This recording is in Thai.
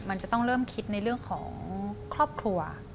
มันจะต้องเริ่มคิดในเรื่องของครอบครัว